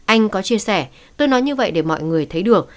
anh có chia sẻ tôi nói như vậy để mọi người thấy được